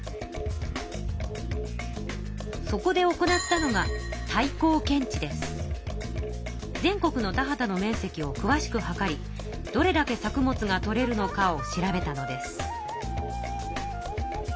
そこで行ったのが全国の田畑の面積をくわしく測りどれだけ作物がとれるのかを調べたのです。